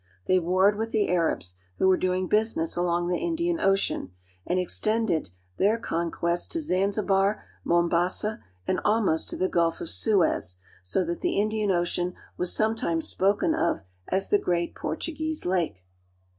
They warred with the Arabs, who were doing business along the Indian Ocean, and extended their con quests to Zanzibar, Mombasa, and almost to the Gulf of Suez so that the Indian Ocean was sometimes spoken of as the great Portuguese lake.